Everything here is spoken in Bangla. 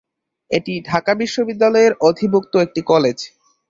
এটি ঢাকা বিশ্ববিদ্যালয়ের অধিভুক্ত একটি কলেজ।